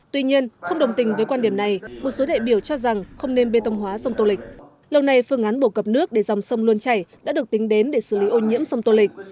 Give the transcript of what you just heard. tuy nhiên không đồng tình với quan điểm này một số đại biểu cho rằng không nên bê tông hóa sông tô lịch lâu nay phương án bổ cập nước để dòng sông luôn chảy đã được tính đến để xử lý ô nhiễm sông tô lịch